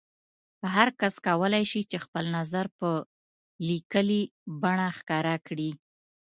هر کس کولای شي چې خپل نظر په لیکلي بڼه ښکاره کړي.